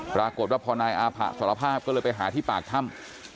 ปรากฏว่าพอนายอาผะสารภาพก็เลยไปหาที่ปากถ้ำ